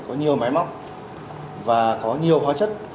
có nhiều máy móc và có nhiều hóa chất